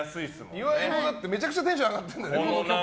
岩井もめちゃくちゃテンション上がってるじゃん。